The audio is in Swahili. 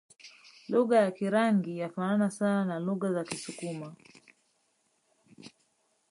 Lugha ya Kirangi yafanana sana na lugha za Kisukuma